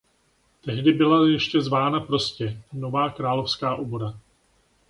Tehdy byla ještě zvána prostě "Nová královská obora".